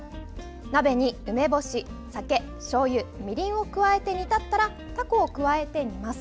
鍋に梅干し、酒、しょうゆみりんを加えて煮立ったらタコを加えて煮ます。